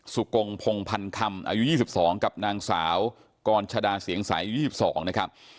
กงพงพันคำอายุ๒๒กับนางสาวกรชดาเสียงใส๒๒นะครับ